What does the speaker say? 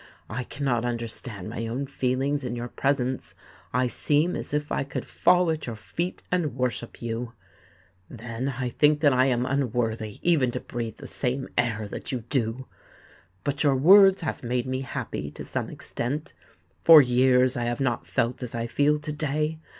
I cannot understand my own feelings in your presence: I seem as if I could fall at your feet and worship you. Then I think that I am unworthy even to breathe the same air that you do. But your words have made me happy to some extent: for years I have not felt as I feel to day.